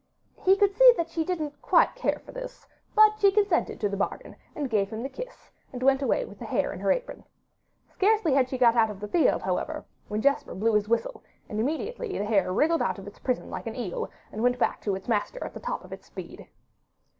He could see that she didn't quite care for this, but she consented to the bargain, and gave him the kiss, and went away with a hare in her apron. Scarcely had she got outside the field, however, when Jesper blew his whistle, and immediately the hare wriggled out of its prison like an eel, and went back to its master at the top of its speed.